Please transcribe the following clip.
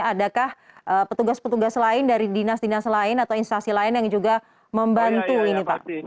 adakah petugas petugas lain dari dinas dinas lain atau instasi lain yang juga membantu ini pak